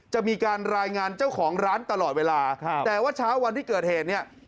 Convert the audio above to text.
จะมีการรายงานเจ้าของร้านตลอดเวลาแต่ว่าเช้าวันที่เกิดเหตุเนี่ย